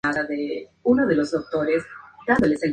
Habló además sobre temas como la evangelización y la paz.